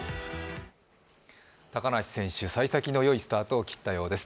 高梨選手、さい先のよいスタートを切ったようです。